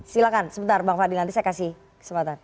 silahkan sebentar bang fadil nanti saya kasih kesempatan